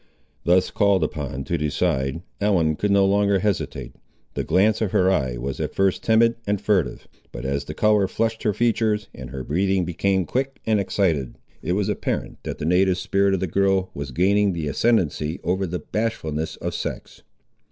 Thus called upon to decide, Ellen could no longer hesitate. The glance of her eye was at first timid and furtive. But as the colour flushed her features, and her breathing became quick and excited, it was apparent that the native spirit of the girl was gaining the ascendency over the bashfulness of sex.